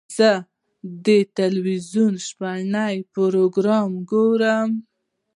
زه د تلویزیون شپهني پروګرام ګورم.